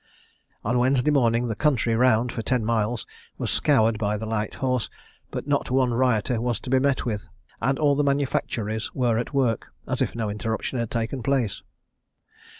On Wednesday morning the country round, for ten miles, was scoured by the light horse, but not one rioter was to be met with, and all the manufactories were at work, as if no interruption had taken place.